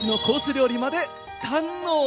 料理まで堪能。